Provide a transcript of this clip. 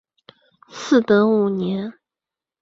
嗣德五年。